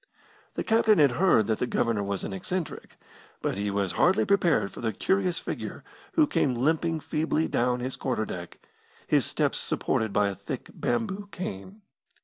The captain had heard that the Governor was an eccentric, but he was hardly prepared for the curious figure who came limping feebly down his quarter deck, his steps supported by a thick bamboo cane.